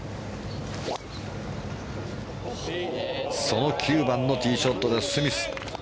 その９番のティーショットスミス。